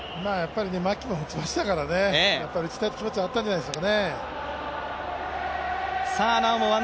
牧も打ちましたから、打ちたいという気持ちはあったんじゃないでしょうかね。